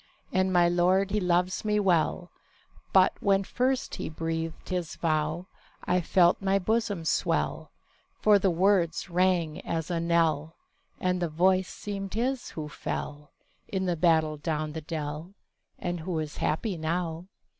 And my lord he loves me well; But, when first he breathed his vow, I felt my bosom swell— For the words rang as a knell, And the voice seemed his who fell In the battle down the dell, And who is happy now.